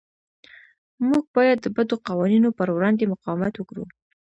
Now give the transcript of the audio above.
موږ باید د بدو قوانینو پر وړاندې مقاومت وکړو.